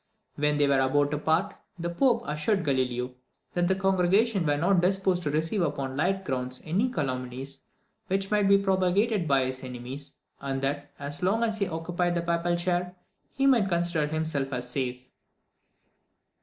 When they were about to part, the Pope assured Galileo, that the congregation were not disposed to receive upon light grounds any calumnies which might be propagated by his enemies, and that, as long as he occupied the papal chair, he might consider himself as safe.